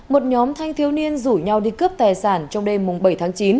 một nhóm thanh thiếu niên rủ nhau đi cướp tài sản trong đêm bảy tháng chín